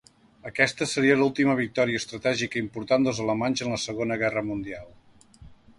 Aquesta seria l'última victòria estratègica important dels alemanys en la Segona Guerra Mundial.